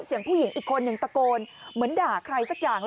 เสียงผู้หญิงอีกคนหนึ่งตะโกนเหมือนด่าใครสักอย่าง